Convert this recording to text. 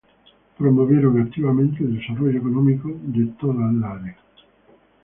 Promovieron activamente el desarrollo económico de toda el área.